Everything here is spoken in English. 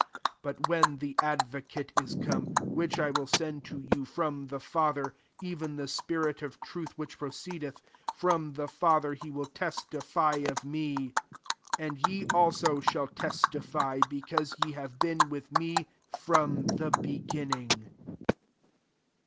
26 (< But when the «^psoc«te is come, which I will send to you from the Father, citen the spirit of truth which proceed^ from the Father, he will tes^ of me. 27 And ye also shall tn^ tify, because ye have been widi 9ie from the beginning.